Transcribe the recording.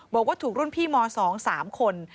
บอกว่าถูกรุ่นพี่ม๒๓คน